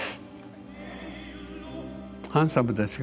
ハンサムですか？